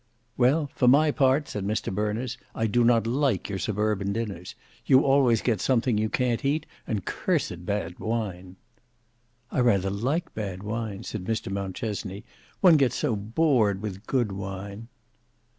"Well, for my part," said Mr Berners. "I do not like your suburban dinners. You always get something you can't eat, and cursed bad wine." "I rather like bad wine," said Mr Mountchesney; "one gets so bored with good wine."